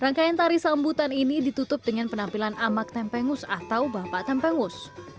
rangkaian tari sambutan ini ditutup dengan penampilan amak tempengus atau bapak tempengus